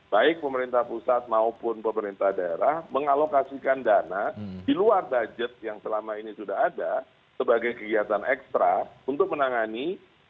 baik pemerintah pusat maupun pemerintah daerah mengalokasikan dana di luar budget yang selama ini sudah ada sebagai kegiatan ekstra untuk menangani